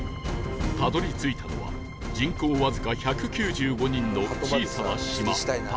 たどり着いたのは人口わずか１９５人の小さな島高島